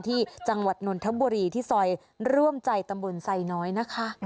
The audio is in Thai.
ที่จังหวัดนนทบุรีที่ซอยร่วมใจตำบลไซน้อยนะคะ